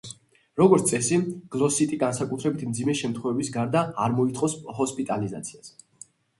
როგორც წესი, გლოსიტი, განსაკუთრებით მძიმე შემთხვევების გარდა, არ მოითხოვს ჰოსპიტალიზაციას.